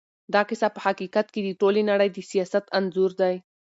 دا کيسه په حقیقت کې د ټولې نړۍ د سياست انځور دی.